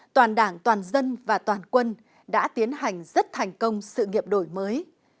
toàn đảng toàn dân và toàn quân đã tiến hành rất thành công sự nghiệp đổi mới